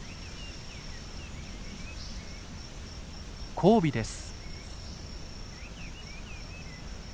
交尾です。